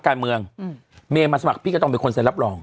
การเมืองเมย์มาสมัครพี่ก็ต้องเป็นคนเซ็นรับรอง